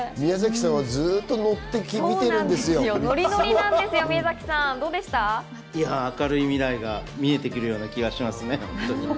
宮崎さんはずっとノリノリで明るい未来が見えてくるような気がしますね。